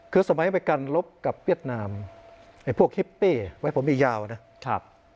คือสมัยไปกันลบกับเวียดนามไอ้พวกฮิปปี้ไว้ผมอีกยาวนะครับ